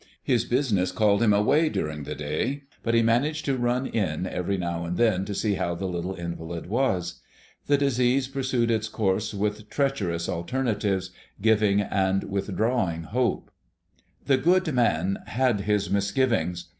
His business called him away during the day, but he managed to run in every now and then to see how the little invalid was. The disease pursued its course with treacherous alternatives, giving and withdrawing hope. The good man had his misgivings.